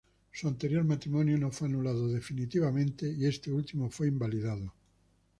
Su anterior matrimonio no fue anulado definitivamente y este último fue invalidado.